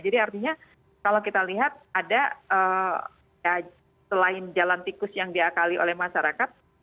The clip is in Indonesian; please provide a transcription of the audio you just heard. jadi artinya kalau kita lihat ada selain jalan tikus yang diakali oleh masyarakat